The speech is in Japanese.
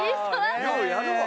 ようやるわ。